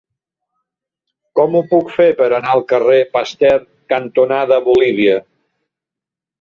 Com ho puc fer per anar al carrer Pasteur cantonada Bolívia?